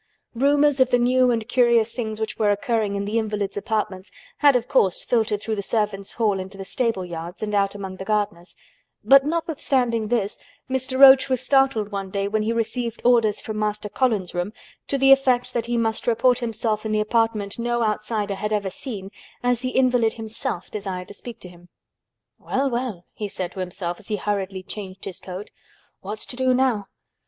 Rumors of the new and curious things which were occurring in the invalid's apartments had of course filtered through the servants' hall into the stable yards and out among the gardeners, but notwithstanding this, Mr. Roach was startled one day when he received orders from Master Colin's room to the effect that he must report himself in the apartment no outsider had ever seen, as the invalid himself desired to speak to him. "Well, well," he said to himself as he hurriedly changed his coat, "what's to do now?